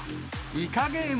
イカゲーム？